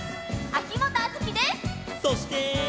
そして。